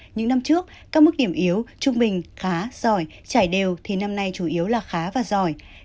những năm trước các mức điểm yếu trung bình khá giỏi trải đều thì năm nay chủ yếu là khá và giỏi